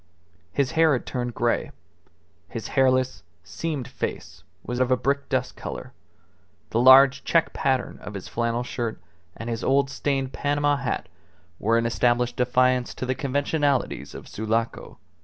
His hair had turned grey, his hairless, seamed face was of a brick dust colour; the large check pattern of his flannel shirt and his old stained Panama hat were an established defiance to the conventionalities of Sulaco.